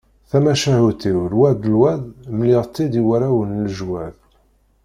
Tamacahut-iw lwad lwad mliɣ-tt-id i warraw n lejwad.